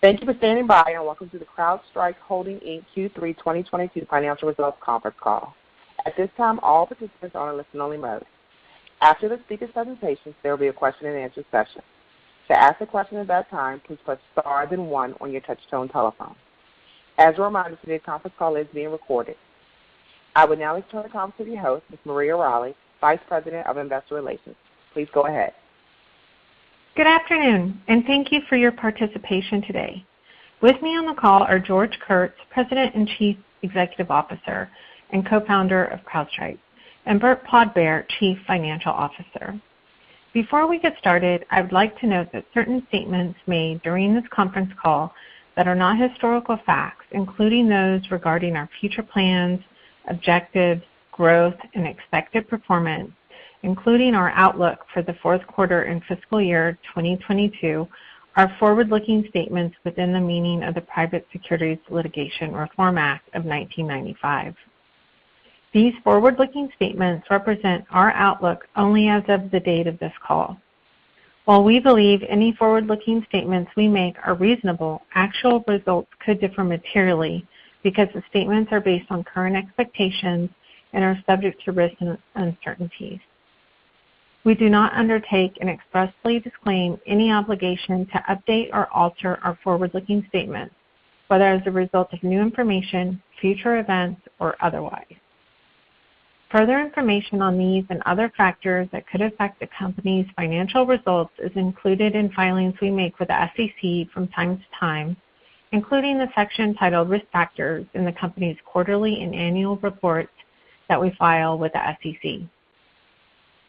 Thank you for standing by, and welcome to the CrowdStrike Holdings, Inc. Q3 2022 financial results conference call. At this time, all participants are in listen-only mode. After the speaker presentations, there will be a question-and-answer session. To ask a question at that time, please press star then one on your touchtone telephone. As a reminder, today's conference call is being recorded. I would now like to turn the call over to the host, Ms. Maria Riley, Senior Director of Investor Relations. Please go ahead. Good afternoon, and thank you for your participation today. With me on the call are George Kurtz, President and Chief Executive Officer and Co-Founder of CrowdStrike, and Burt Podbere, Chief Financial Officer. Before we get started, I would like to note that certain statements made during this conference call that are not historical facts, including those regarding our future plans, objectives, growth, and expected performance, including our outlook for the Q4 and fiscal year 2022, are forward-looking statements within the meaning of the Private Securities Litigation Reform Act of 1995. These forward-looking statements represent our outlook only as of the date of this call. While we believe any forward-looking statements we make are reasonable, actual results could differ materially because the statements are based on current expectations and are subject to risks and uncertainties. We do not undertake and expressly disclaim any obligation to update or alter our forward-looking statements, whether as a result of new information, future events, or otherwise. Further information on these and other factors that could affect the company's financial results is included in filings we make with the SEC from time to time, including the section titled Risk Factors in the company's quarterly and annual reports that we file with the SEC.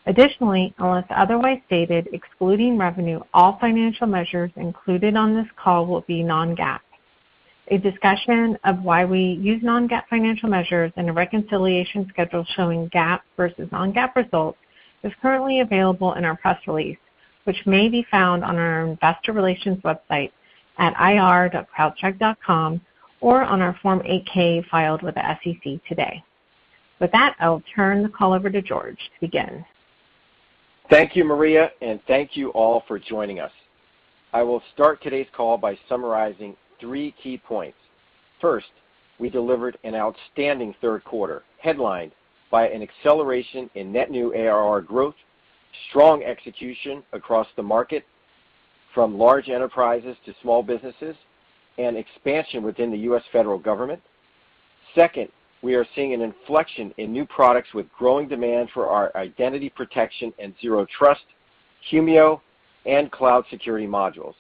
Additionally, unless otherwise stated, excluding revenue, all financial measures included on this call will be non-GAAP. A discussion of why we use non-GAAP financial measures and a reconciliation schedule showing GAAP versus non-GAAP results is currently available in our press release, which may be found on our investor relations website at ir.crowdstrike.com or on our Form 8-K filed with the SEC today. With that, I will turn the call over to George to begin. Thank you, Maria, and thank you all for joining us. I will start today's call by summarizing three key points. First, we delivered an outstanding Q3, headlined by an acceleration in net new ARR growth, strong execution across the market from large enterprises to small businesses, and expansion within the U.S. federal government. Second, we are seeing an inflection in new products with growing demand for our identity protection and zero trust, Humio, and cloud security modules.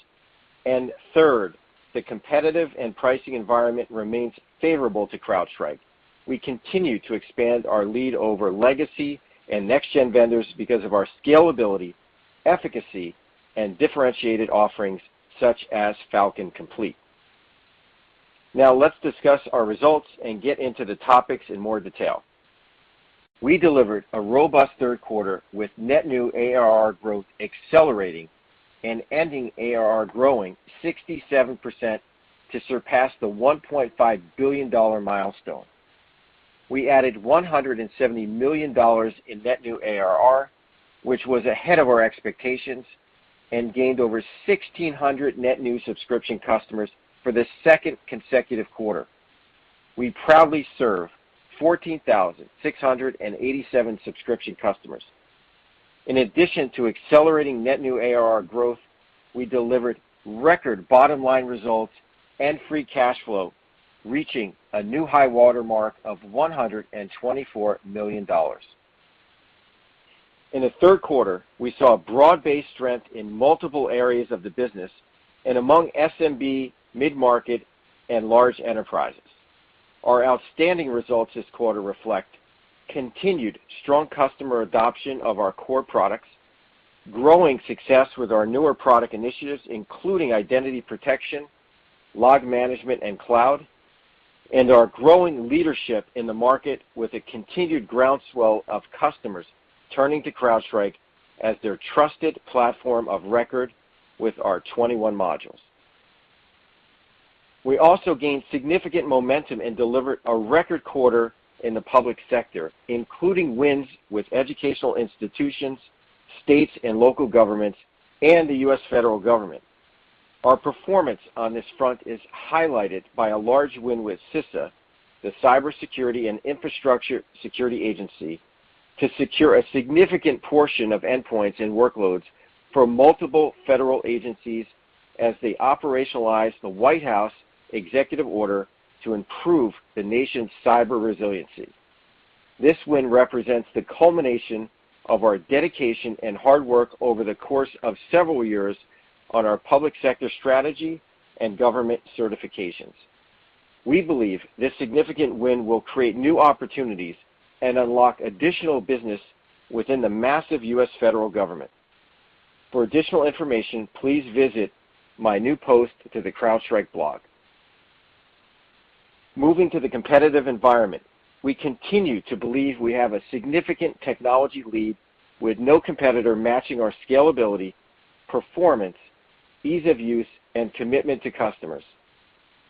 Third, the competitive and pricing environment remains favorable to CrowdStrike. We continue to expand our lead over legacy and next-gen vendors because of our scalability, efficacy, and differentiated offerings such as Falcon Complete. Now, let's discuss our results and get into the topics in more detail. We delivered a robust Q3 with net new ARR growth accelerating and ending ARR growing 67% to surpass the $1.5 billion milestone. We added $170 million in net new ARR, which was ahead of our expectations, and gained over 1,600 net new subscription customers for the second consecutive quarter. We proudly serve 14,687 subscription customers. In addition to accelerating net new ARR growth, we delivered record bottom line results and free cash flow, reaching a new high water mark of $124 million. In the Q3, we saw broad-based strength in multiple areas of the business and among SMB, mid-market, and large enterprises. Our outstanding results this quarter reflect continued strong customer adoption of our core products, growing success with our newer product initiatives, including identity protection, log management, and cloud, and our growing leadership in the market with a continued groundswell of customers turning to CrowdStrike as their trusted platform of record with our 21 modules. We also gained significant momentum and delivered a record quarter in the public sector, including wins with educational institutions, states and local governments, and the U.S. federal government. Our performance on this front is highlighted by a large win with CISA, the Cybersecurity and Infrastructure Security Agency, to secure a significant portion of endpoints and workloads for multiple federal agencies as they operationalize the White House executive order to improve the nation's cyber resiliency. This win represents the culmination of our dedication and hard work over the course of several years on our public sector strategy and government certifications. We believe this significant win will create new opportunities and unlock additional business within the massive U.S. federal government. For additional information, please visit my new post to the CrowdStrike blog. Moving to the competitive environment, we continue to believe we have a significant technology lead with no competitor matching our scalability, performance, ease of use, and commitment to customers.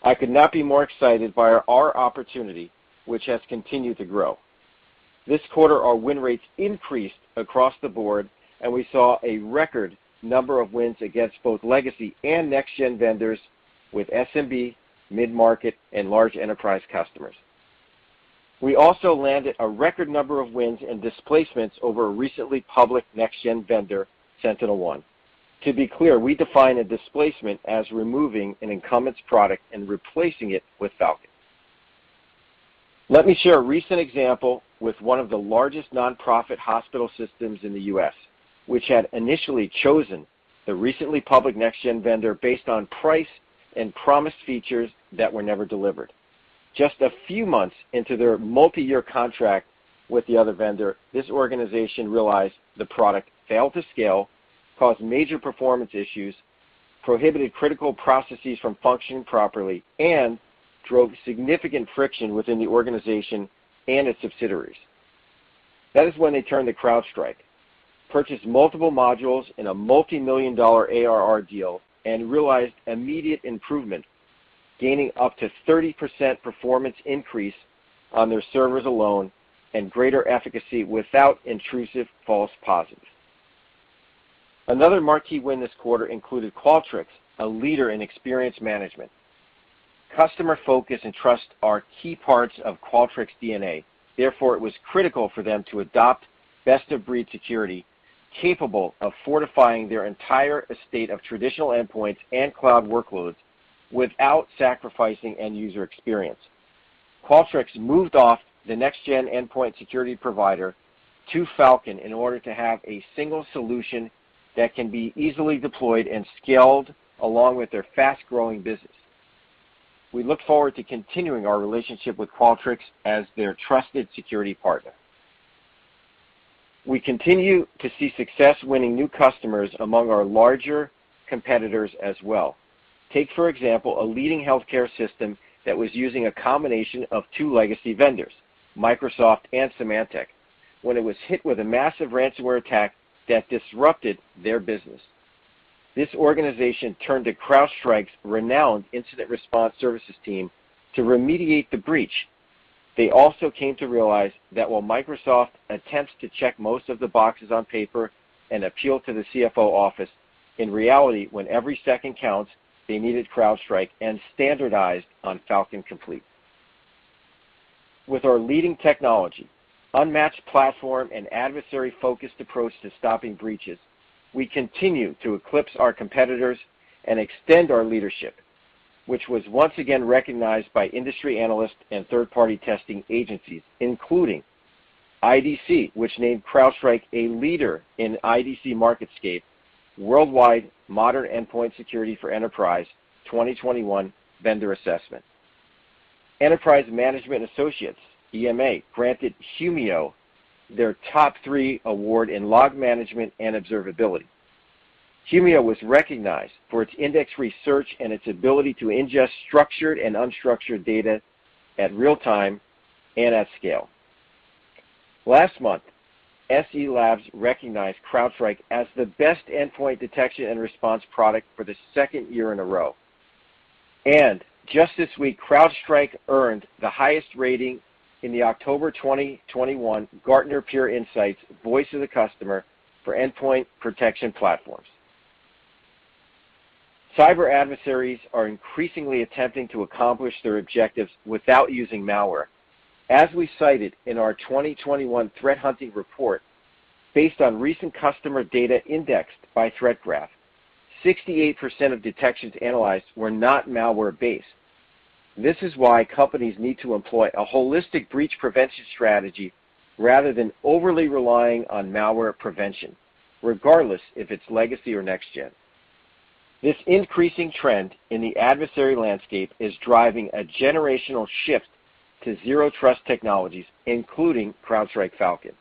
I could not be more excited by our opportunity, which has continued to grow. This quarter, our win rates increased across the board, and we saw a record number of wins against both legacy and next gen vendors with SMB, mid-market, and large enterprise customers. We also landed a record number of wins and displacements over a recently public next gen vendor, SentinelOne. To be clear, we define a displacement as removing an incumbent's product and replacing it with Falcon. Let me share a recent example with one of the largest nonprofit hospital systems in the U.S., which had initially chosen the recently public next-gen vendor based on price and promised features that were never delivered. Just a few months into their multi-year contract with the other vendor, this organization realized the product failed to scale, caused major performance issues, prohibited critical processes from functioning properly, and drove significant friction within the organization and its subsidiaries. That is when they turned to CrowdStrike, purchased multiple modules in a multi-million-dollar ARR deal, and realized immediate improvement, gaining up to 30% performance increase on their servers alone and greater efficacy without intrusive false positives. Another marquee win this quarter included Qualtrics, a leader in experience management. Customer focus and trust are key parts of Qualtrics' DNA. Therefore, it was critical for them to adopt best-of-breed security capable of fortifying their entire estate of traditional endpoints and cloud workloads without sacrificing end user experience. Qualtrics moved off the next-gen endpoint security provider to Falcon in order to have a single solution that can be easily deployed and scaled along with their fast-growing business. We look forward to continuing our relationship with Qualtrics as their trusted security partner. We continue to see success winning new customers among our larger competitors as well. Take, for example, a leading healthcare system that was using a combination of two legacy vendors, Microsoft and Symantec, when it was hit with a massive ransomware attack that disrupted their business. This organization turned to CrowdStrike's renowned incident response services team to remediate the breach. They also came to realize that while Microsoft attempts to check most of the boxes on paper and appeal to the CFO office, in reality, when every second counts, they needed CrowdStrike and standardized on Falcon Complete. With our leading technology, unmatched platform, and adversary-focused approach to stopping breaches, we continue to eclipse our competitors and extend our leadership, which was once again recognized by industry analysts and third-party testing agencies, including IDC, which named CrowdStrike a leader in IDC MarketScape Worldwide Modern Endpoint Security for Enterprise 2021 Vendor Assessment. Enterprise Management Associates, EMA, granted Humio their top three award in log management and observability. Humio was recognized for its index-free search and its ability to ingest structured and unstructured data in real time and at scale. Last month, SE Labs recognized CrowdStrike as the best endpoint detection and response product for the second year in a row. Just this week, CrowdStrike earned the highest rating in the October 2021 Gartner Peer Insights Voice of the Customer for Endpoint Protection Platforms. Cyber adversaries are increasingly attempting to accomplish their objectives without using malware. As we cited in our 2021 threat hunting report, based on recent customer data indexed by Threat Graph, 68% of detections analyzed were not malware-based. This is why companies need to employ a holistic breach prevention strategy rather than overly relying on malware prevention, regardless if it's legacy or next gen. This increasing trend in the adversary landscape is driving a generational shift to zero trust technologies, including CrowdStrike Falcon.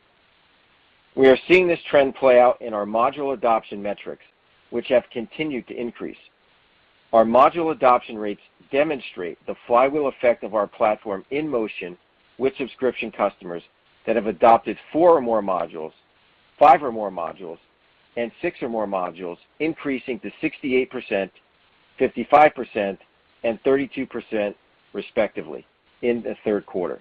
We are seeing this trend play out in our module adoption metrics, which have continued to increase. Our module adoption rates demonstrate the flywheel effect of our platform in motion with subscription customers that have adopted four or more modules, five or more modules, and six or more modules, increasing to 68%, 55%, and 32% respectively in the Q3.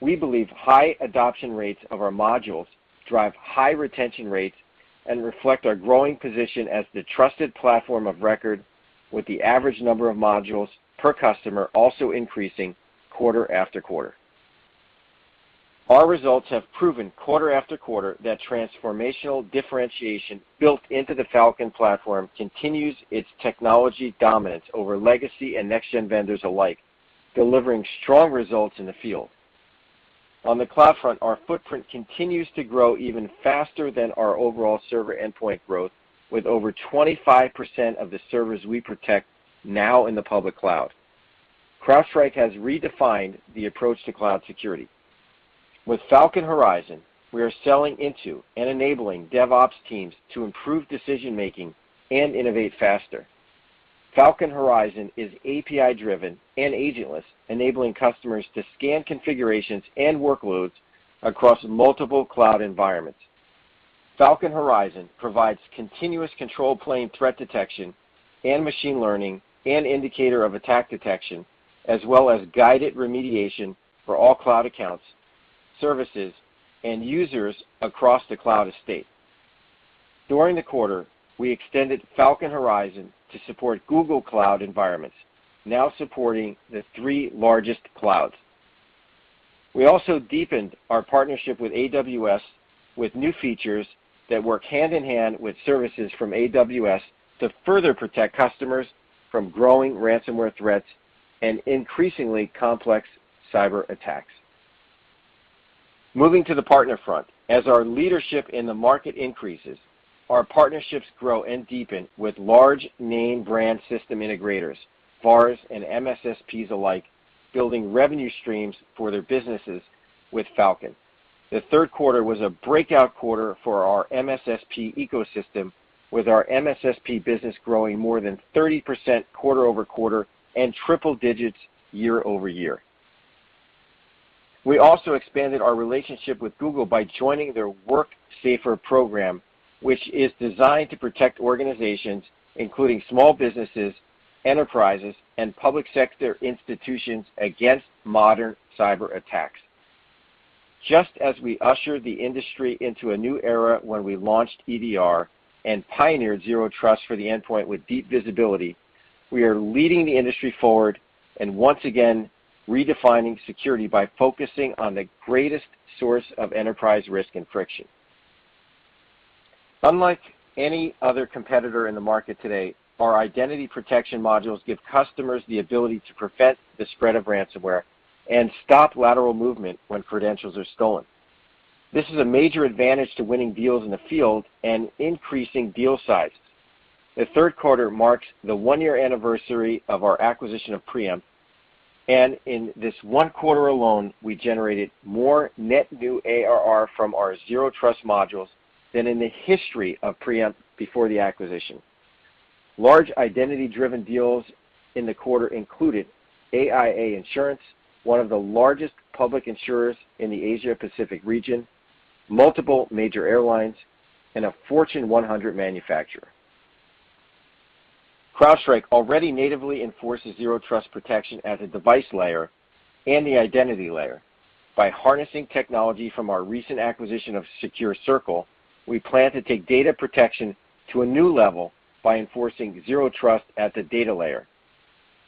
We believe high adoption rates of our modules drive high retention rates and reflect our growing position as the trusted platform of record with the average number of modules per customer also increasing quarter after quarter. Our results have proven quarter after quarter that transformational differentiation built into the Falcon platform continues its technology dominance over legacy and next gen vendors alike, delivering strong results in the field. On the cloud front, our footprint continues to grow even faster than our overall server endpoint growth with over 25% of the servers we protect now in the public cloud. CrowdStrike has redefined the approach to cloud security. With Falcon Horizon, we are selling into and enabling DevOps teams to improve decision-making and innovate faster. Falcon Horizon is API-driven and agentless, enabling customers to scan configurations and workloads across multiple cloud environments. Falcon Horizon provides continuous control plane threat detection and machine learning and indicator of attack detection, as well as guided remediation for all cloud accounts, services, and users across the cloud estate. During the quarter, we extended Falcon Horizon to support Google Cloud environments, now supporting the three largest clouds. We also deepened our partnership with AWS with new features that work hand in hand with services from AWS to further protect customers from growing ransomware threats and increasingly complex cyber attacks. Moving to the partner front, as our leadership in the market increases, our partnerships grow and deepen with large name brand system integrators, VARs, and MSSPs alike, building revenue streams for their businesses with Falcon. The Q3 was a breakout quarter for our MSSP ecosystem, with our MSSP business growing more than 30% quarter-over-quarter and triple digits year-over-year. We also expanded our relationship with Google by joining their Work Safer program, which is designed to protect organizations, including small businesses, enterprises, and public sector institutions against modern cyber attacks. Just as we ushered the industry into a new era when we launched EDR and pioneered zero trust for the endpoint with deep visibility, we are leading the industry forward and once again redefining security by focusing on the greatest source of enterprise risk and friction. Unlike any other competitor in the market today, our identity protection modules give customers the ability to prevent the spread of ransomware and stop lateral movement when credentials are stolen. This is a major advantage to winning deals in the field and increasing deal size. The Q3 marked the 1-year anniversary of our acquisition of Preempt, and in this 1 quarter alone, we generated more net new ARR from our zero trust modules than in the history of Preempt before the acquisition. Large identity-driven deals in the quarter included AIA Insurance, one of the largest public insurers in the Asia-Pacific region, multiple major airlines, and a Fortune 100 manufacturer. CrowdStrike already natively enforces zero trust protection at the device layer and the identity layer. By harnessing technology from our recent acquisition of SecureCircle, we plan to take data protection to a new level by enforcing zero trust at the data layer.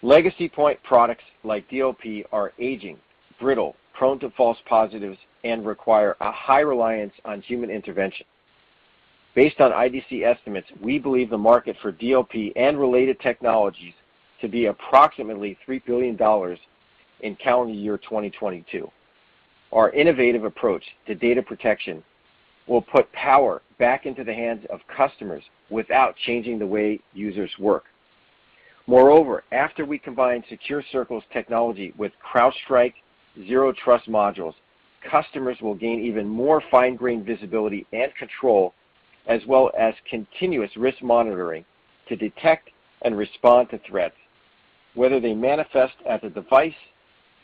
Legacy point products like DLP are aging, brittle, prone to false positives, and require a high reliance on human intervention. Based on IDC estimates, we believe the market for DLP and related technologies to be approximately $3 billion in calendar year 2022. Our innovative approach to data protection will put power back into the hands of customers without changing the way users work. Moreover, after we combine SecureCircle's technology with CrowdStrike zero trust modules, customers will gain even more fine-grained visibility and control as well as continuous risk monitoring to detect and respond to threats, whether they manifest at the device,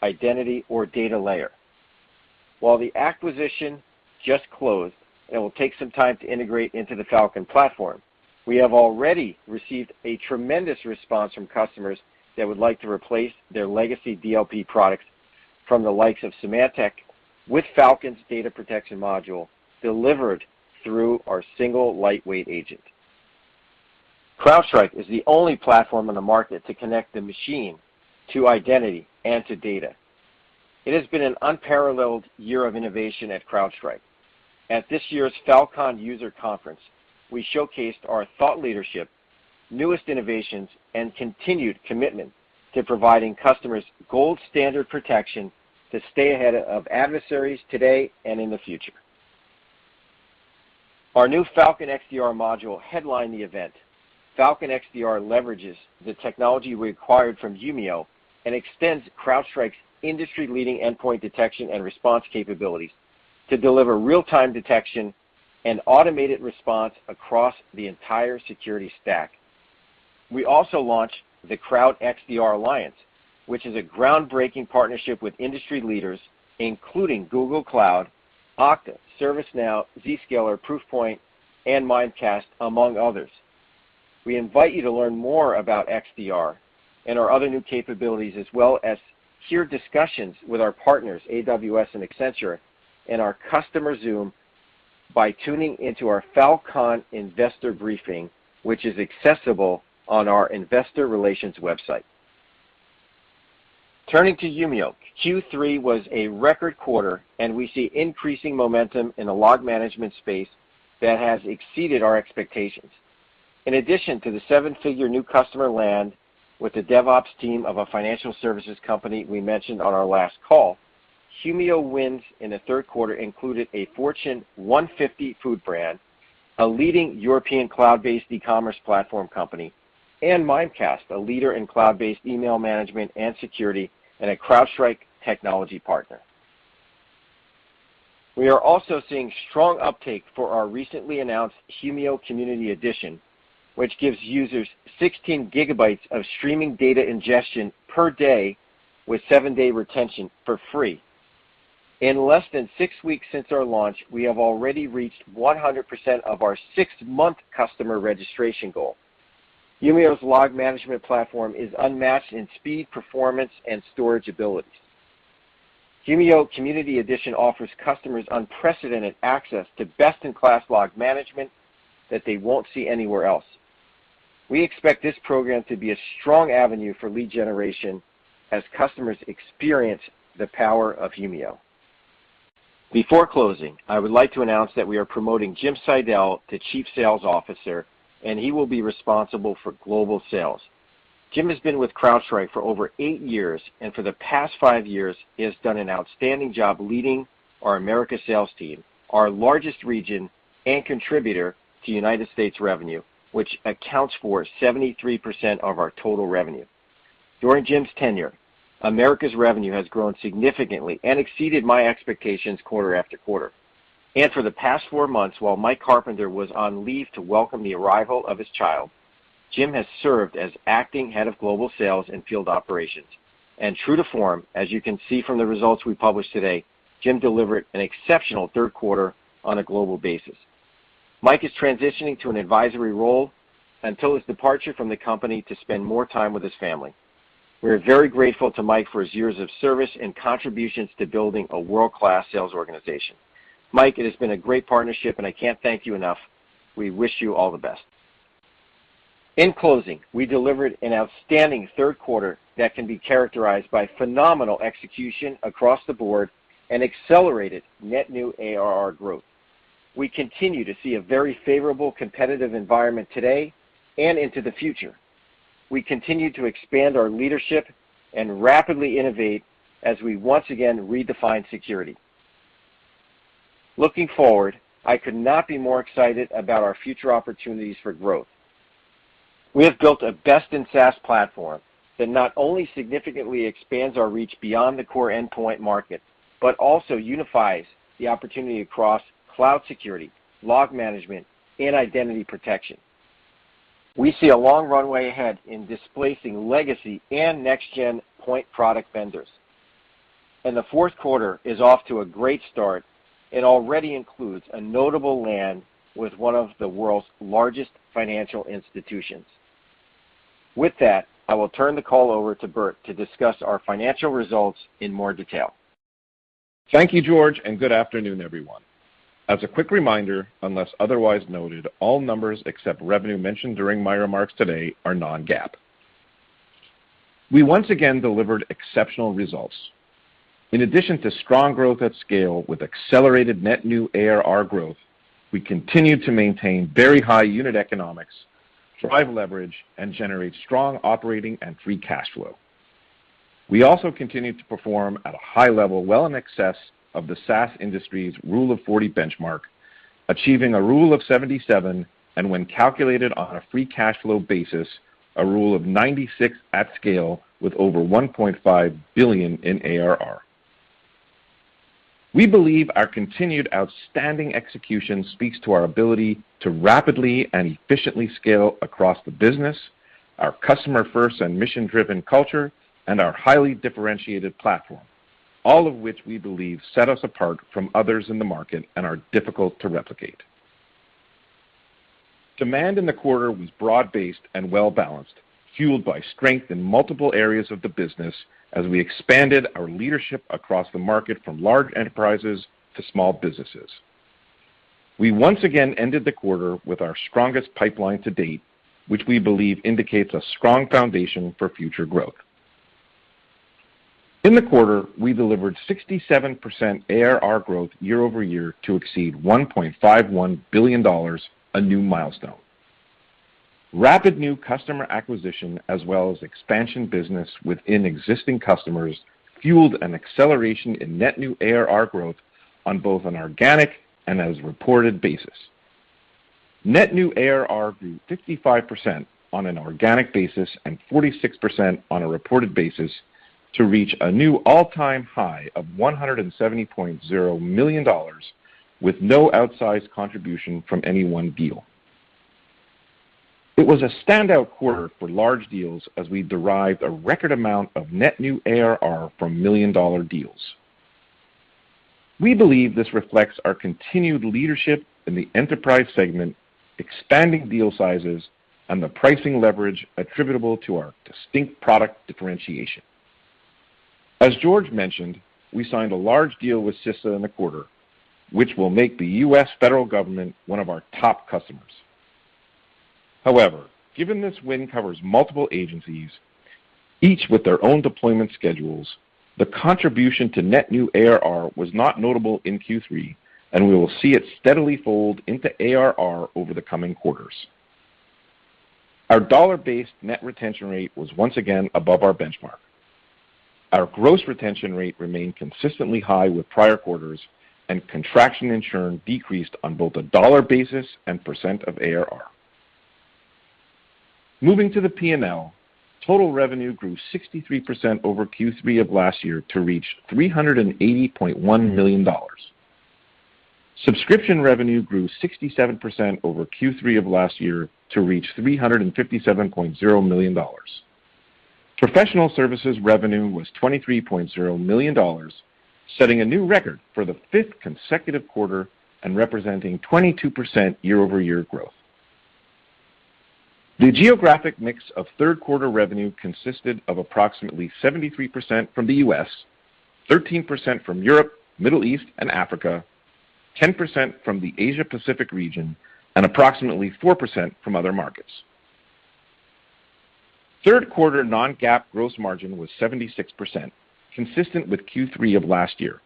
identity, or data layer. While the acquisition just closed and will take some time to integrate into the Falcon platform, we have already received a tremendous response from customers that would like to replace their legacy DLP products from the likes of Symantec with Falcon's data protection module delivered through our single lightweight agent. CrowdStrike is the only platform on the market to connect the machine to identity and to data. It has been an unparalleled year of innovation at CrowdStrike. At this year's Falcon User Conference, we showcased our thought leadership, newest innovations, and continued commitment to providing customers gold standard protection to stay ahead of adversaries today and in the future. Our new Falcon XDR module headlined the event. Falcon XDR leverages the technology we acquired from Humio and extends CrowdStrike's industry-leading endpoint detection and response capabilities to deliver real-time detection and automated response across the entire security stack. We also launched the CrowdXDR Alliance, which is a groundbreaking partnership with industry leaders, including Google Cloud, Okta, ServiceNow, Zscaler, Proofpoint, and Mimecast, among others. We invite you to learn more about XDR and our other new capabilities, as well as hear discussions with our partners, AWS and Accenture, in our customer Zoom by tuning into our Fal.Con Investor Briefing, which is accessible on our investor relations website. Turning to Humio, Q3 was a record quarter, and we see increasing momentum in the log management space that has exceeded our expectations. In addition to the seven-figure new customer land with the DevOps team of a financial services company we mentioned on our last call, Humio wins in the Q3 included a Fortune 150 food brand, a leading European cloud-based e-commerce platform company, and Mimecast, a leader in cloud-based email management and security, and a CrowdStrike technology partner. We are also seeing strong uptake for our recently announced Humio Community Edition, which gives users 16 GB of streaming data ingestion per day with seven-day retention for free. In less than six weeks since our launch, we have already reached 100% of our six-month customer registration goal. Humio's log management platform is unmatched in speed, performance, and storage abilities. Humio Community Edition offers customers unprecedented access to best-in-class log management that they won't see anywhere else. We expect this program to be a strong avenue for lead generation as customers experience the power of Humio. Before closing, I would like to announce that we are promoting Jim Seidel to Chief Sales Officer, and he will be responsible for global sales. Jim has been with CrowdStrike for over 8 years, and for the past five years, he has done an outstanding job leading our America sales team, our largest region and contributor to United States revenue, which accounts for 73% of our total revenue. During Jim's tenure, America's revenue has grown significantly and exceeded my expectations quarter after quarter. For the past 4 months, while Mike Carpenter was on leave to welcome the arrival of his child, Jim has served as acting head of Global Sales and Field Operations. True to form, as you can see from the results we published today, Jim delivered an exceptional Q3 on a global basis. Mike is transitioning to an advisory role until his departure from the company to spend more time with his family. We are very grateful to Mike for his years of service and contributions to building a world-class sales organization. Mike, it has been a great partnership, and I can't thank you enough. We wish you all the best. In closing, we delivered an outstanding Q3 that can be characterized by phenomenal execution across the board and accelerated net new ARR growth. We continue to see a very favorable competitive environment today and into the future. We continue to expand our leadership and rapidly innovate as we once again redefine security. Looking forward, I could not be more excited about our future opportunities for growth. We have built a best-in-SaaS platform that not only significantly expands our reach beyond the core endpoint market, but also unifies the opportunity across cloud security, log management, and identity protection. We see a long runway ahead in displacing legacy and next-gen point product vendors, and the Q4 is off to a great start and already includes a notable land with one of the world's largest financial institutions. With that, I will turn the call over to Burt to discuss our financial results in more detail. Thank you, George, and good afternoon, everyone. As a quick reminder, unless otherwise noted, all numbers except revenue mentioned during my remarks today are non-GAAP. We once again delivered exceptional results. In addition to strong growth at scale with accelerated net new ARR growth, we continued to maintain very high unit economics, drive leverage, and generate strong operating and free cash flow. We also continued to perform at a high level, well in excess of the SaaS industry's Rule of 40 benchmark, achieving a Rule of 77, and when calculated on a free cash flow basis, a Rule of 96 at scale with over $1.5 billion in ARR. We believe our continued outstanding execution speaks to our ability to rapidly and efficiently scale across the business, our customer first and mission-driven culture, and our highly differentiated platform, all of which we believe set us apart from others in the market and are difficult to replicate. Demand in the quarter was broad-based and well-balanced, fueled by strength in multiple areas of the business as we expanded our leadership across the market from large enterprises to small businesses. We once again ended the quarter with our strongest pipeline to date, which we believe indicates a strong foundation for future growth. In the quarter, we delivered 67% ARR growth year-over-year to exceed $1.51 billion, a new milestone. Rapid new customer acquisition as well as expansion business within existing customers fueled an acceleration in net new ARR growth on both an organic and as reported basis. Net new ARR grew 55% on an organic basis and 46% on a reported basis to reach a new all-time high of $170.0 million with no outsized contribution from any one deal. It was a standout quarter for large deals as we derived a record amount of net new ARR from million-dollar deals. We believe this reflects our continued leadership in the enterprise segment, expanding deal sizes, and the pricing leverage attributable to our distinct product differentiation. As George mentioned, we signed a large deal with CISA in the quarter, which will make the U.S. federal government one of our top customers. However, given this win covers multiple agencies, each with their own deployment schedules, the contribution to net new ARR was not notable in Q3, and we will see it steadily fold into ARR over the coming quarters. Our dollar-based net retention rate was once again above our benchmark. Our gross retention rate remained consistently high with prior quarters, and contraction and churn decreased on both a dollar basis and percent of ARR. Moving to the P&L, total revenue grew 63% over Q3 of last year to reach $380.1 million. Subscription revenue grew 67% over Q3 of last year to reach $357.0 million. Professional services revenue was $23.0 million, setting a new record for the fifth consecutive quarter and representing 22% year-over-year growth. The geographic mix of Q3 revenue consisted of approximately 73% from the U.S., 13% from Europe, Middle East, and Africa, 10% from the Asia Pacific region, and approximately 4% from other markets. Q3 non-GAAP gross margin was 76%, consistent with Q3 of last year.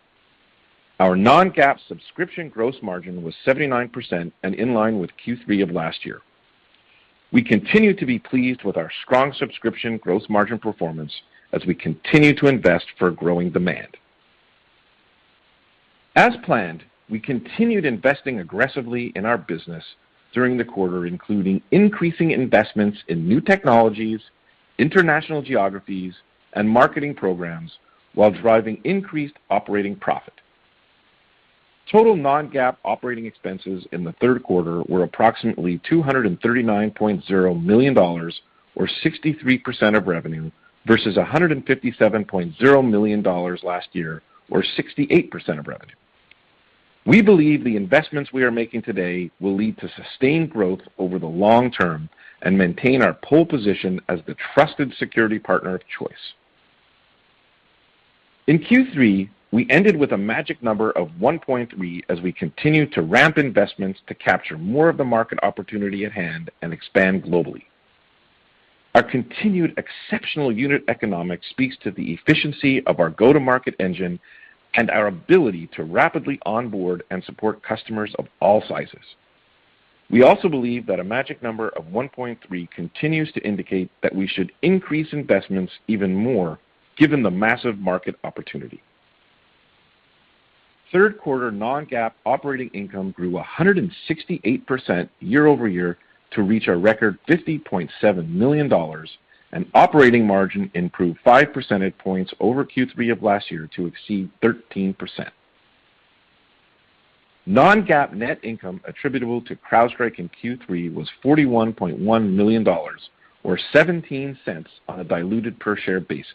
Our non-GAAP subscription gross margin was 79% and in line with Q3 of last year. We continue to be pleased with our strong subscription gross margin performance as we continue to invest for growing demand. As planned, we continued investing aggressively in our business during the quarter, including increasing investments in new technologies, international geographies, and marketing programs while driving increased operating profit. Total non-GAAP operating expenses in the Q3 were approximately $239.0 million or 63% of revenue versus $157.0 million last year or 68% of revenue. We believe the investments we are making today will lead to sustained growth over the long term and maintain our pole position as the trusted security partner of choice. In Q3, we ended with a magic number of 1.3 as we continue to ramp investments to capture more of the market opportunity at hand and expand globally. Our continued exceptional unit economics speaks to the efficiency of our go-to-market engine and our ability to rapidly onboard and support customers of all sizes. We also believe that a magic number of 1.3 continues to indicate that we should increase investments even more given the massive market opportunity. Q3 non-GAAP operating income grew 168% year-over-year to reach a record $50.7 million, and operating margin improved 5 percentage points over Q3 of last year to exceed 13%. Non-GAAP net income attributable to CrowdStrike in Q3 was $41.1 million or $0.17 on a diluted per share basis.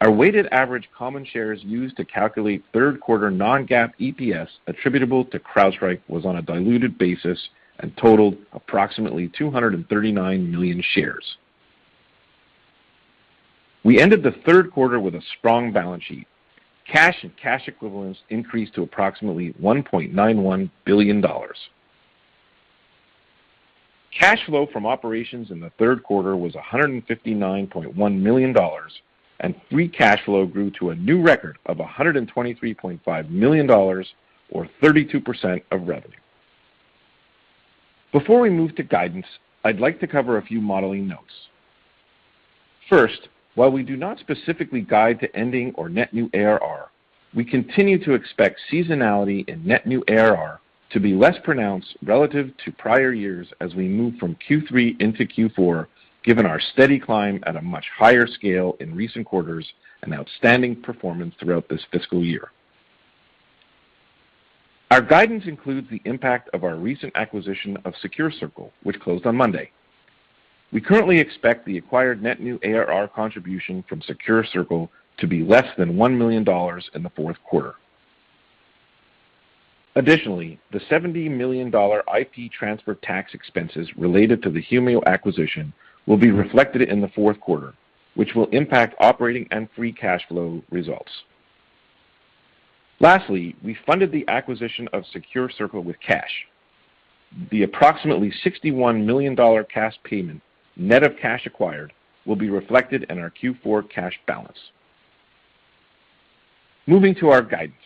Our weighted average common shares used to calculate Q3 non-GAAP EPS attributable to CrowdStrike was on a diluted basis and totaled approximately 239 million shares. We ended the Q3 with a strong balance sheet. Cash and cash equivalents increased to approximately $1.91 billion. Cash flow from operations in the Q3 was $159.1 million, and free cash flow grew to a new record of $123.5 million or 32% of revenue. Before we move to guidance, I'd like to cover a few modeling notes. First, while we do not specifically guide to ending or net new ARR, we continue to expect seasonality in net new ARR to be less pronounced relative to prior years as we move from Q3 into Q4, given our steady climb at a much higher scale in recent quarters and outstanding performance throughout this fiscal year. Our guidance includes the impact of our recent acquisition of SecureCircle, which closed on Monday. We currently expect the acquired net new ARR contribution from SecureCircle to be less than $1 million in the Q4. Additionally, the $70 million IP transfer tax expenses related to the Humio acquisition will be reflected in the Q4, which will impact operating and free cash flow results. Lastly, we funded the acquisition of SecureCircle with cash. The approximately $61 million cash payment net of cash acquired will be reflected in our Q4 cash balance. Moving to our guidance.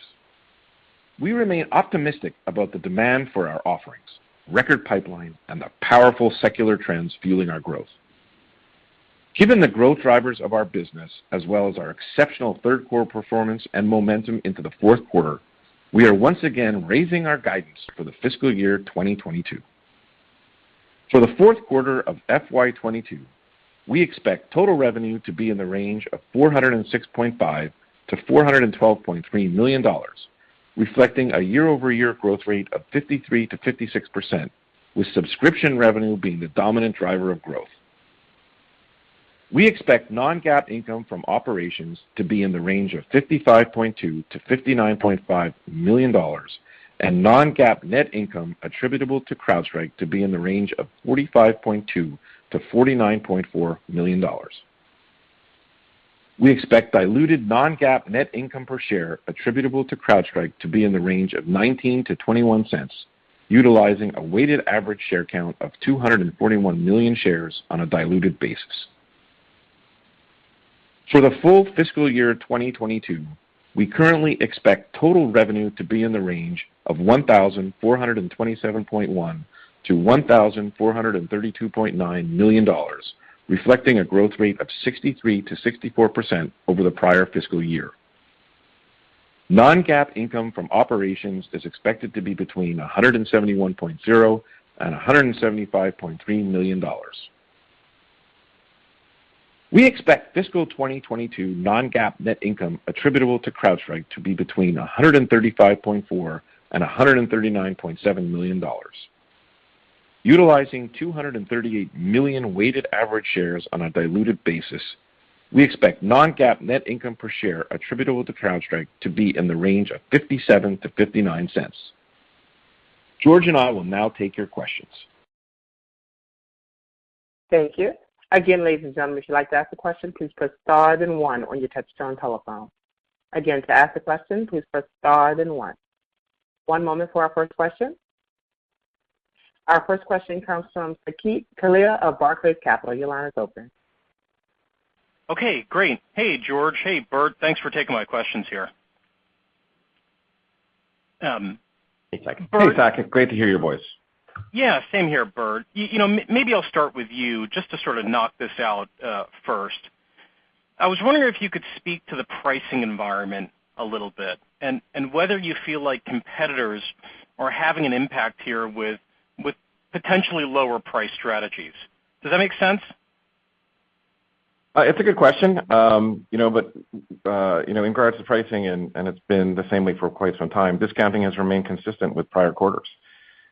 We remain optimistic about the demand for our offerings, record pipeline, and the powerful secular trends fueling our growth. Given the growth drivers of our business as well as our exceptional Q3 performance and momentum into the Q4, we are once again raising our guidance for the fiscal year 2022. For the Q4 of FY 2022, we expect total revenue to be in the range of $406.5 million-$412.3 million, reflecting a year-over-year growth rate of 53%-56%, with subscription revenue being the dominant driver of growth. We expect non-GAAP income from operations to be in the range of $55.2 million-$59.5 million and non-GAAP net income attributable to CrowdStrike to be in the range of $45.2 million-$49.4 million. We expect diluted non-GAAP net income per share attributable to CrowdStrike to be in the range of $0.19-$0.21, utilizing a weighted average share count of 241 million shares on a diluted basis. For the full fiscal year 2022, we currently expect total revenue to be in the range of $1,427.1 million-$1,432.9 million, reflecting a growth rate of 63%-64% over the prior fiscal year. Non-GAAP income from operations is expected to be between $171.0 million-$175.3 million. We expect fiscal 2022 non-GAAP net income attributable to CrowdStrike to be between $135.4 million and $139.7 million. Utilizing 238 million weighted average shares on a diluted basis, we expect non-GAAP net income per share attributable to CrowdStrike to be in the range of $0.57-$0.59. George and I will now take your questions. Thank you. Again, ladies and gentlemen, if you'd like to ask a question, please press star then one on your touchtone telephone. Again, to ask a question, please press star then one. One moment for our first question. Our first question comes from Saket Kalia of Barclays Capital. Your line is open. Okay, great. Hey, George. Hey, Burt. Thanks for taking my questions here. Hey, Saket. Hey, Saket. Great to hear your voice. Yeah, same here, Burt. You know, maybe I'll start with you just to sort of knock this out first. I was wondering if you could speak to the pricing environment a little bit and whether you feel like competitors are having an impact here with potentially lower price strategies. Does that make sense? It's a good question. You know, but you know, in regards to pricing and it's been the same way for quite some time, discounting has remained consistent with prior quarters.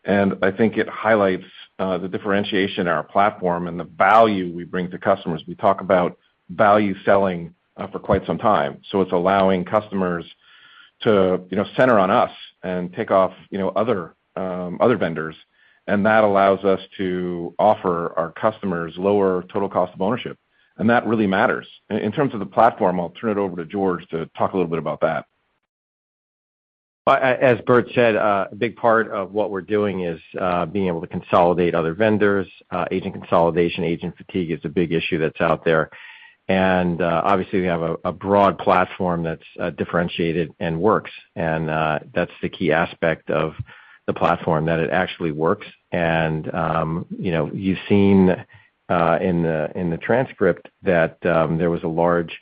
I think it highlights the differentiation in our platform and the value we bring to customers. We talk about value selling for quite some time, so it's allowing customers to you know, center on us and take off you know, other vendors. That allows us to offer our customers lower total cost of ownership, and that really matters. In terms of the platform, I'll turn it over to George to talk a little bit about that. As Burt said, a big part of what we're doing is being able to consolidate other vendors, agent consolidation. Agent fatigue is a big issue that's out there. Obviously we have a broad platform that's differentiated and works. That's the key aspect of the platform, that it actually works. You know, you've seen in the transcript that there was a large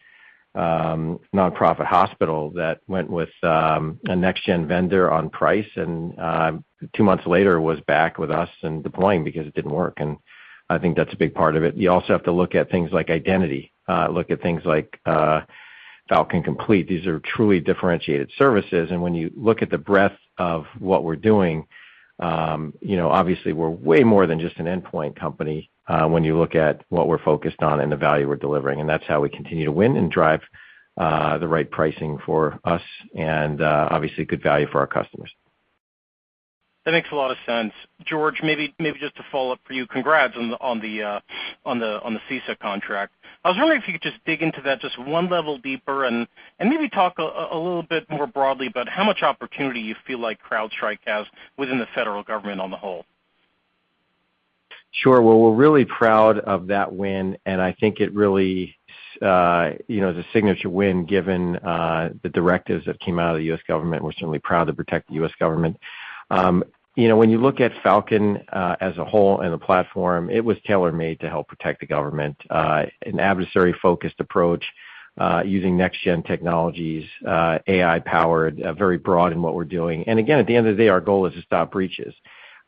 nonprofit hospital that went with a next-gen vendor on price and two months later was back with us and deploying because it didn't work. I think that's a big part of it. You also have to look at things like identity, Falcon Complete. These are truly differentiated services. When you look at the breadth of what we're doing, obviously we're way more than just an endpoint company. When you look at what we're focused on and the value we're delivering, that's how we continue to win and drive the right pricing for us and obviously good value for our customers. That makes a lot of sense. George, maybe just to follow up for you. Congrats on the CISA contract. I was wondering if you could just dig into that just one level deeper and maybe talk a little bit more broadly about how much opportunity you feel like CrowdStrike has within the federal government on the whole. Sure. Well, we're really proud of that win, and I think it really is a signature win given the directives that came out of the U.S. government. We're certainly proud to protect the U.S. government. You know, when you look at Falcon as a whole and the platform, it was tailor-made to help protect the government. An adversary-focused approach using next-gen technologies, AI-powered, very broad in what we're doing. And again, at the end of the day, our goal is to stop breaches.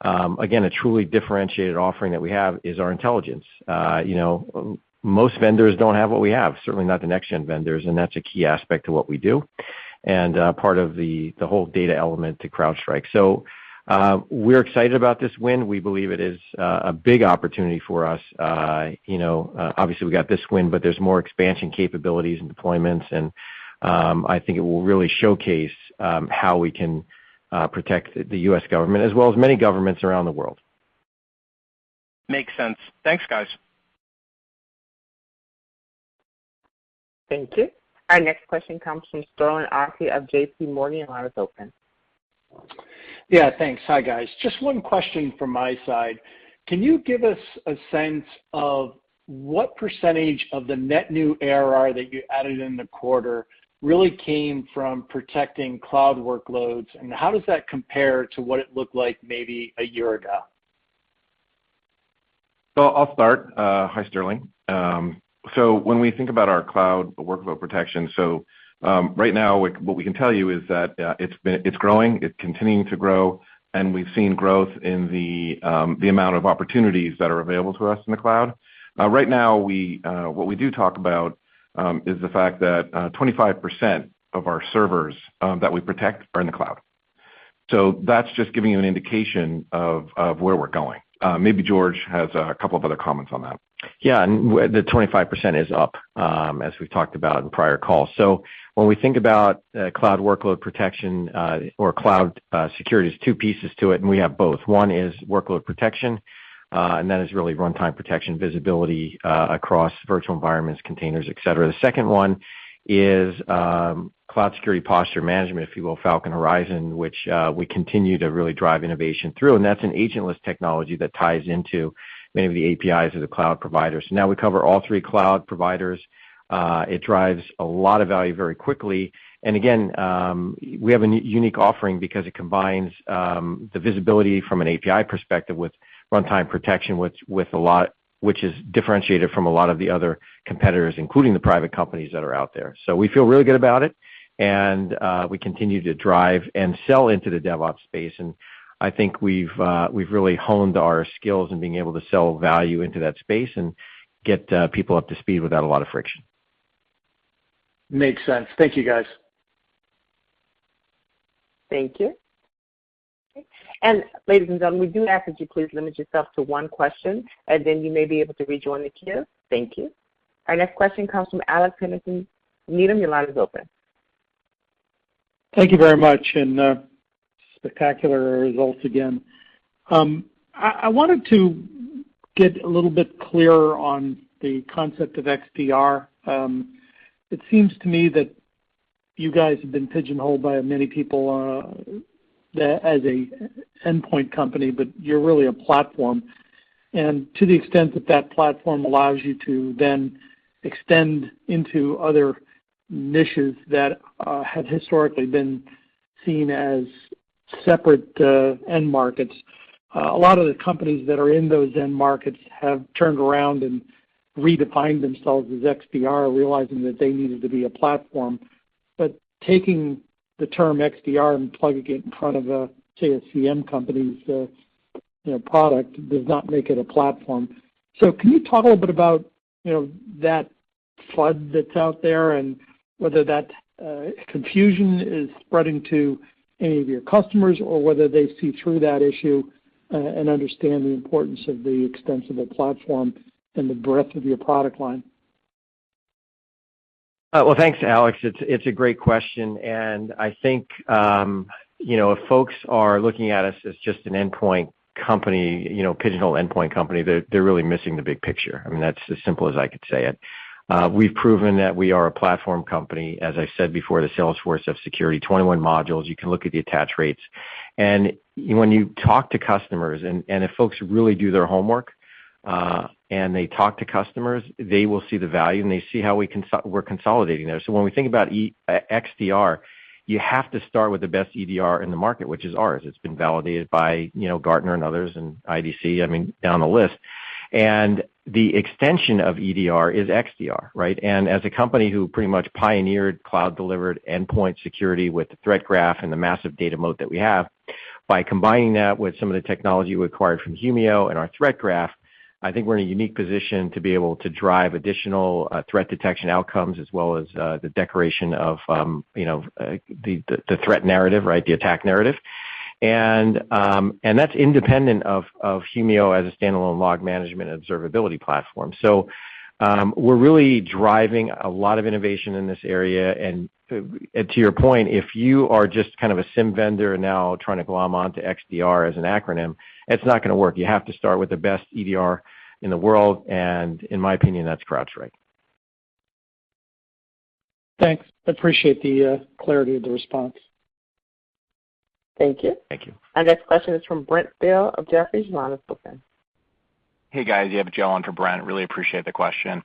Again, a truly differentiated offering that we have is our intelligence. You know, most vendors don't have what we have, certainly not the next-gen vendors, and that's a key aspect to what we do and part of the whole data element to CrowdStrike. We're excited about this win. We believe it is a big opportunity for us. You know, obviously we got this win, but there's more expansion capabilities and deployments and, I think it will really showcase how we can protect the U.S. government as well as many governments around the world. Makes sense. Thanks, guys. Thank you. Our next question comes from Sterling Auty of JP Morgan. Your line is open. Yeah, thanks. Hi, guys. Just one question from my side. Can you give us a sense of what percentage of the net new ARR that you added in the quarter really came from protecting cloud workloads, and how does that compare to what it looked like maybe a year ago? I'll start. Hi, Sterling. When we think about our cloud workload protection, right now what we can tell you is that it's growing, it's continuing to grow, and we've seen growth in the amount of opportunities that are available to us in the cloud. Right now, what we do talk about is the fact that 25% of our servers that we protect are in the cloud. That's just giving you an indication of where we're going. Maybe George has a couple of other comments on that. Yeah, the 25% is up, as we've talked about in prior calls. When we think about cloud workload protection, or cloud security, there's two pieces to it and we have both. One is workload protection, and that is really runtime protection, visibility, across virtual environments, containers, et cetera. The second one is cloud security posture management, if you will, Falcon Horizon, which we continue to really drive innovation through, and that's an agentless technology that ties into many of the APIs of the cloud providers. Now we cover all three cloud providers. It drives a lot of value very quickly. Again, we have a unique offering because it combines the visibility from an API perspective with runtime protection, which with a lot. which is differentiated from a lot of the other competitors, including the private companies that are out there. We feel really good about it and we continue to drive and sell into the DevOps space, and I think we've really honed our skills in being able to sell value into that space and get people up to speed without a lot of friction. Makes sense. Thank you, guys. Thank you. Ladies and gentlemen, we do ask that you please limit yourself to one question, and then you may be able to rejoin the queue. Thank you. Our next question comes from Alex Henderson. Your line is open. Thank you very much, and, spectacular results again. I wanted to get a little bit clearer on the concept of XDR. It seems to me that you guys have been pigeonholed by many people as an endpoint company, but you're really a platform. To the extent that that platform allows you to then extend into other niches that have historically been seen as separate end markets. A lot of the companies that are in those end markets have turned around and redefined themselves as XDR, realizing that they needed to be a platform. Taking the term XDR and plugging it in front of a SIEM company's product does not make it a platform. Can you talk a little bit about that flood that's out there and whether that confusion is spreading to any of your customers or whether they see through that issue, and understand the importance of the extensible platform and the breadth of your product line? Well, thanks, Alex. It's a great question. I think if folks are looking at us as just an endpoint company pigeonhole endpoint company, they're really missing the big picture. I mean, that's as simple as I could say it. We've proven that we are a platform company, as I said before, the Salesforce of security. 21 modules, you can look at the attach rates. When you talk to customers, and if folks really do their homework, and they talk to customers, they will see the value, and they see how we're consolidating there. When we think about XDR, you have to start with the best EDR in the market, which is ours. It's been validated by Gartner and others, and IDC, I mean, down the list. The extension of EDR is XDR, right? As a company who pretty much pioneered cloud-delivered endpoint security with the Threat Graph and the massive data moat that we have, by combining that with some of the technology we acquired from Humio and our Threat Graph, I think we're in a unique position to be able to drive additional threat detection outcomes as well as the decoration of you know the threat narrative, right? The attack narrative. That's independent of Humio as a standalone log management observability platform. We're really driving a lot of innovation in this area. To your point, if you are just kind of a SIEM vendor now trying to glom onto XDR as an acronym, it's not gonna work. You have to start with the best EDR in the world, and in my opinion, that's CrowdStrike. Thanks. I appreciate the clarity of the response. Thank you. Thank you. Our next question is from Brent Thill of Jefferies. Your line is open. Hey, guys. You have Joe on for Brent. Really appreciate the question.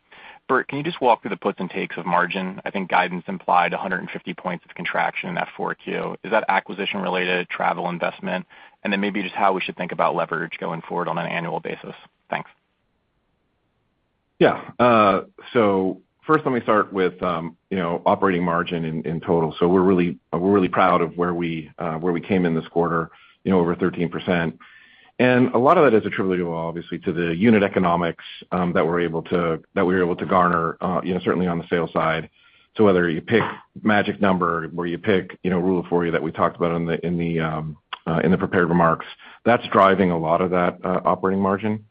Burt, can you just walk through the puts and takes of margin? I think guidance implied 150 points of contraction in that 4Q. Is that acquisition-related travel investment? And then maybe just how we should think about leverage going forward on an annual basis. Thanks. Yeah. First let me start with operating margin in total. We're really proud of where we came in this quarter over 13%. A lot of that is attributable obviously to the unit economics that we were able to garner certainly on the sales side. Whether you pick magic number or you pick Rule 40 that we talked about in the prepared remarks, that's driving a lot of that operating margin.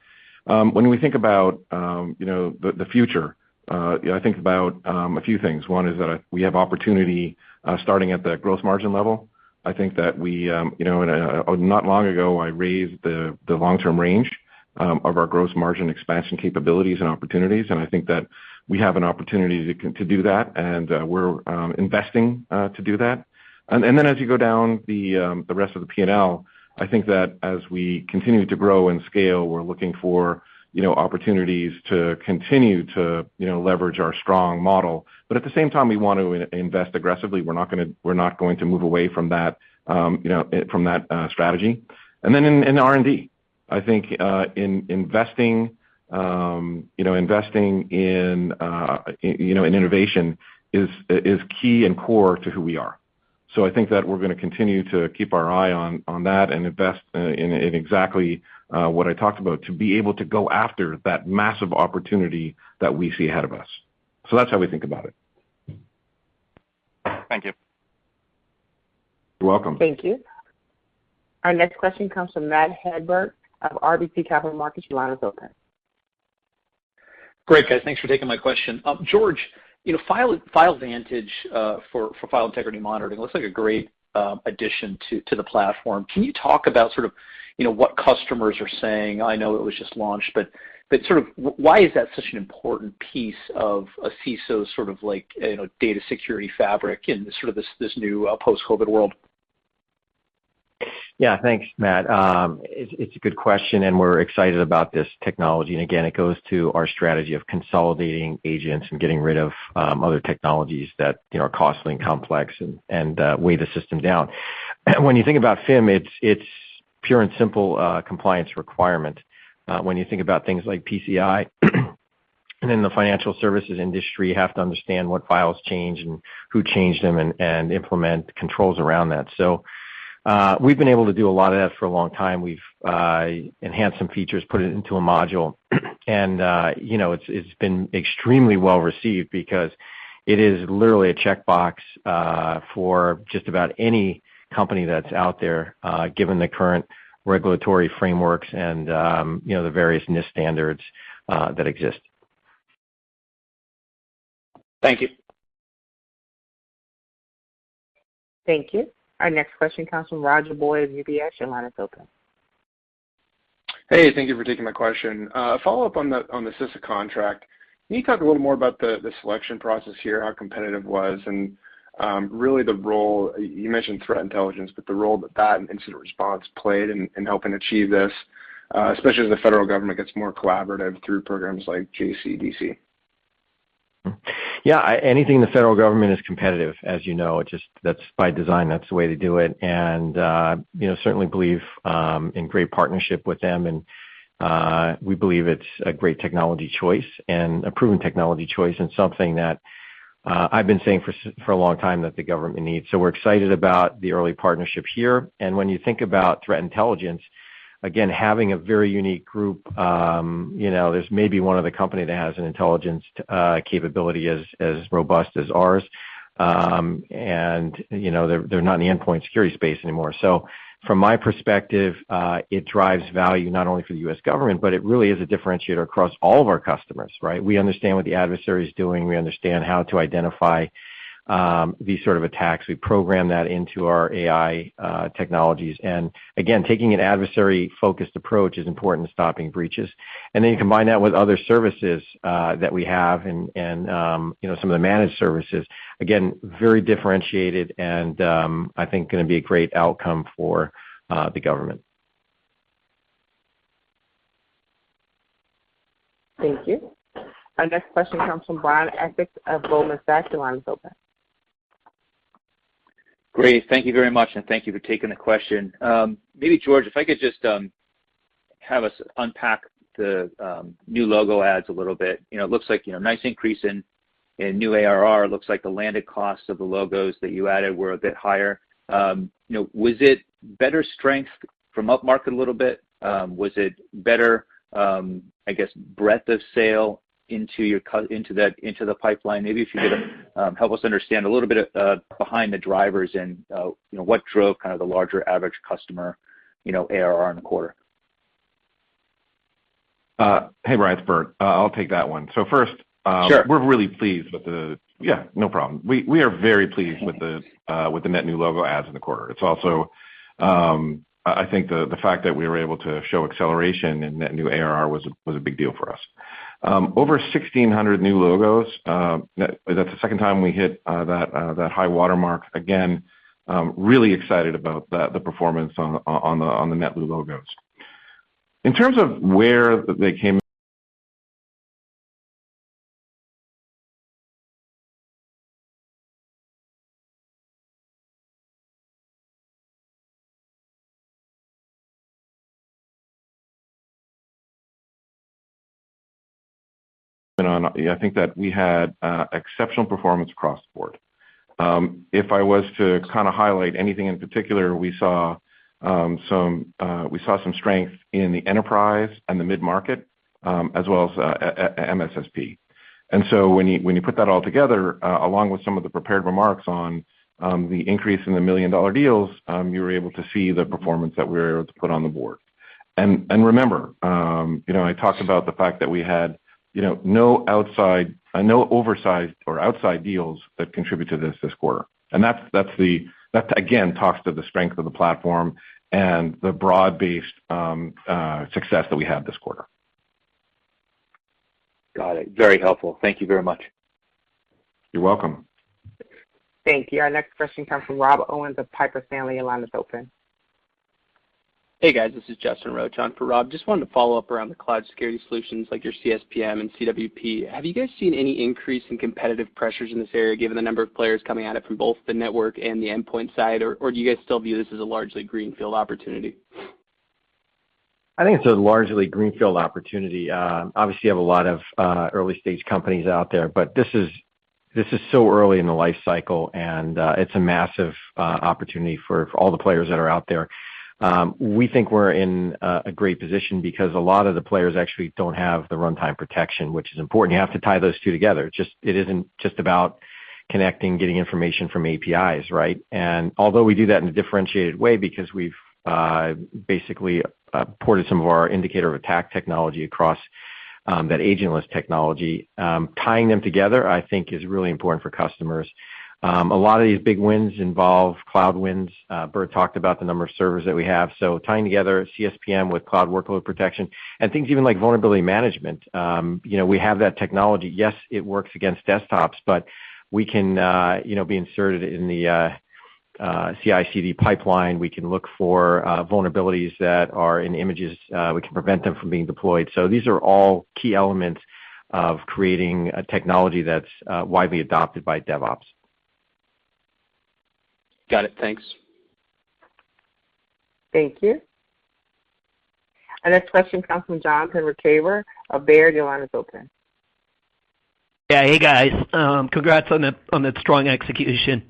When we think about the future, I think about a few things. One is that we have opportunity starting at the growth margin level. I think that we not long ago, I raised the long-term range of our gross margin expansion capabilities and opportunities. I think that we have an opportunity to do that, and we're investing to do that. Then as you go down the rest of the P&L, I think that as we continue to grow and scale, we're looking for opportunities to continue to leverage our strong model. At the same time, we want to invest aggressively. We're not going to move away from that from that strategy. In R&D, I think investing in innovation is key and core to who we are. I think that we're gonna continue to keep our eye on that and invest in exactly what I talked about, to be able to go after that massive opportunity that we see ahead of us. That's how we think about it. Thank you. You're welcome. Thank you. Our next question comes from Matt Hedberg of RBC Capital Markets. Your line is open. Great, guys. Thanks for taking my question. george Falcon FileVantage for file integrity monitoring looks like a great addition to the platform. Can you talk about what customers are saying? I know it was just launched, but sort of why is that such an important piece of a CISO sort of like data security fabric in sort of this new post-COVID world? Yeah. Thanks, Matt. It's a good question, and we're excited about this technology. It goes to our strategy of consolidating agents and getting rid of other technologies that are costly and complex and weigh the system down. When you think about FIM, it's pure and simple compliance requirement. When you think about things like PCI, and in the financial services industry, you have to understand what files change and who changed them and implement controls around that. We've been able to do a lot of that for a long time. We've enhanced some features, put it into a module. You know, it's been extremely well-received because it is literally a checkbox for just about any company that's out there, given the current regulatory frameworks and the various NIST standards that exist. Thank you. Thank you. Our next question comes from Roger Boyd of UBS. Your line is open. Hey, thank you for taking my question. A follow-up on the CISA contract. Can you talk a little more about the selection process here, how competitive it was, and really the role you mentioned, threat intelligence, but the role that that and incident response played in helping achieve this, especially as the federal government gets more collaborative through programs like JCDC. Yeah. Anything in the federal government is competitive, as you know. That's by design. That's the way to do it. You know, certainly believe in great partnership with them and we believe it's a great technology choice and a proven technology choice and something that I've been saying for a long time that the government needs. We're excited about the early partnership here. When you think about threat intelligence, again, having a very unique group there's maybe one other company that has an intelligence capability as robust as ours. You know, they're not in the endpoint security space anymore. From my perspective, it drives value not only for the U.S. government, but it really is a differentiator across all of our customers, right? We understand what the adversary is doing. We understand how to identify these sort of attacks. We program that into our AI technologies. Again, taking an adversary-focused approach is important to stopping breaches. Then you combine that with other services that we have and you know, some of the managed services. Again, very differentiated and I think gonna be a great outcome for the government. Thank you. Our next question comes from Brian Essex of Goldman Sachs. Your line is open. Great. Thank you very much, and thank you for taking the question. Maybe, George, if I could just have us unpack the new logo adds a little bit. You know, it looks like nice increase in new ARR. Looks like the landed costs of the logos that you added were a bit higher. You know, was it better strength from upmarket a little bit? Was it better, I guess, breadth of sale into the pipeline? Maybe if you could help us understand a little bit behind the drivers and what drove kind of the larger average customer ARR in the quarter. Hey, Brian. It's Burt. I'll take that one. First, sure. We're really pleased with the. Yeah, no problem. We are very pleased with the net new logo adds in the quarter. It's also. I think the fact that we were able to show acceleration in net new ARR was a big deal for us. Over 1,600 new logos, that's the second time we hit that high watermark. Again, really excited about the performance on the net new logos. In terms of where they came. Yeah, I think that we had exceptional performance across the board. If I was to kinda highlight anything in particular, we saw some strength in the enterprise and the mid-market, as well as MSSP. When you put that all together, along with some of the prepared remarks on the increase in the million-dollar deals, you're able to see the performance that we were able to put on the board. remember I talked about the fact that we had no oversized or outside deals that contribute to this quarter. That's. That again talks to the strength of the platform and the broad-based success that we had this quarter. Got it. Very helpful. Thank you very much. You're welcome. Thank you. Our next question comes from Rob Owens of Piper Sandler. Your line is open. Hey, guys. This is Justin Roach on for Rob. Just wanted to follow up around the cloud security solutions like your CSPM and CWP. Have you guys seen any increase in competitive pressures in this area, given the number of players coming at it from both the network and the endpoint side, or do you guys still view this as a largely greenfield opportunity? I think it's a largely greenfield opportunity. Obviously, you have a lot of early-stage companies out there, but this is so early in the life cycle, and it's a massive opportunity for all the players that are out there. We think we're in a great position because a lot of the players actually don't have the runtime protection, which is important. You have to tie those two together. It isn't just about connecting, getting information from APIs, right? Although we do that in a differentiated way because we've basically ported some of our indicator of attack technology across that agentless technology, tying them together, I think, is really important for customers. A lot of these big wins involve cloud wins. Burt talked about the number of servers that we have. Tying together CSPM with cloud workload protection and things even like vulnerability management we have that technology. Yes, it works against desktops, but we can be inserted in the CICD pipeline. We can look for vulnerabilities that are in images. We can prevent them from being deployed. These are all key elements of creating a technology that's widely adopted by DevOps. Got it. Thanks. Thank you. Our next question comes from Jonathan Ruykhaver of Baird. Your line is open. Yeah. Hey, guys. Congrats on the strong execution.